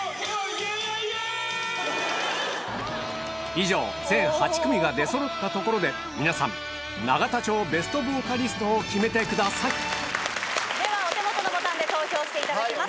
以上全８組が出そろったところで皆さん永田町ベストボーカリストを決めてくださいではお手元のボタンで投票していただきます。